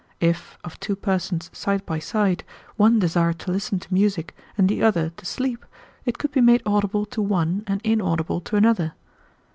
If, of two persons side by side, one desired to listen to music and the other to sleep, it could be made audible to one and inaudible to another.